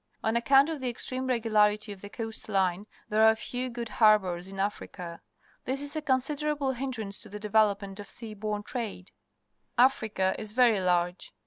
On account of the ex treme regularity jaL the coast line, _ thei'e are few good harbours in Afrij3.a. This is a considerable hin drance to the devel opment of .sea borne trade. .^Africa is very large.